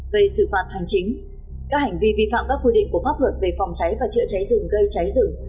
về xử phạt hành chính các hành vi vi phạm các quy định của pháp luật về phòng cháy và chữa cháy rừng gây cháy rừng